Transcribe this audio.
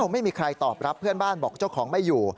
ไม่มีใครตอบรับเพื่อนบ้านบอกเจ้าของไม่อยู่